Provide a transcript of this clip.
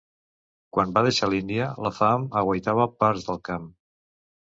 Quan va deixar l'Índia, la fam aguaitava parts del camp.